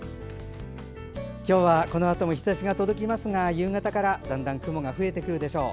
今日はこのあとも日ざしが届きますが夕方から雲が増えてくるでしょう。